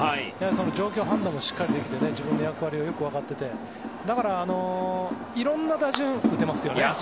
状況判断もしっかりできて自分でよく分かっていてだからいろんな打順を打てますよね。